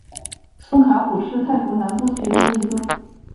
宋卡府是泰国南部其中的一个府。